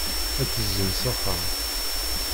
Ad d-tezim s axxam.